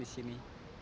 iya di sini